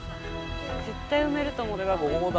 絶対埋めると思った。